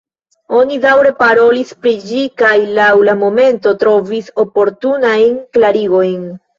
Oni daŭre parolis pri ĝi kaj laŭ la momento trovis oportunajn klarigojn.